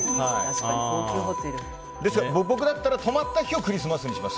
僕だったら泊まった日をクリスマスにします。